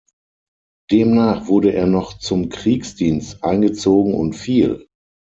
Demnach wurde er noch zum Kriegsdienst eingezogen und fiel.